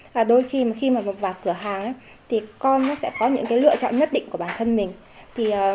và đôi khi mà vào cửa hàng thì con sẽ có những lựa chọn nhất định của bản thân mình